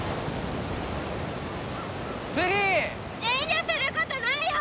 ３！遠慮することないよ！